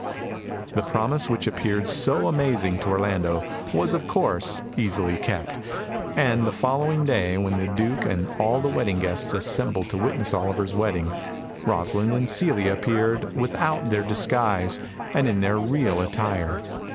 The promise, which appeared so amazing to Orlando, was, of course, easily kept, and the following day, when the Duke and all the wedding guests assembled to witness Oliver's wedding, Rosalind and Celia appeared without their disguise, and in their real attire.